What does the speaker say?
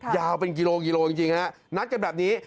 ยาวเป็นกิโลจริงนัดกันแบบนี้